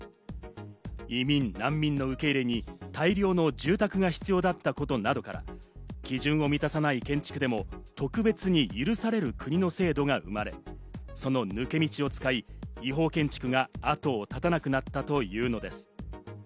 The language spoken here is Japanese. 移民・難民の受け入れに大量の住宅が必要だったことなどから、基準を満たさない建築でも特別に許される国の制度が生まれ、その抜け道を使い、違法建築が後を絶たなくなったというのです。